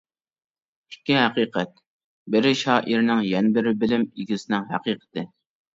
ئىككى ھەقىقەت، بىرى شائىرنىڭ يەنە بىرى بىلىم ئىگىسىنىڭ ھەقىقىتى.